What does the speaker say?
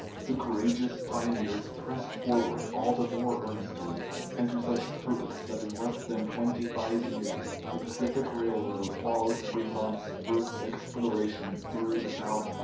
The courageous pioneers pressed forward all the more earnestly, and to such purpose that in less than twenty five years the Pacific Railroad followed Fremont's first exploration through the South Pass.